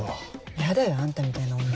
ヤダよあんたみたいな女。